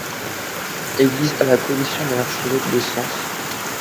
Église à la collation de l'archevêque de Sens.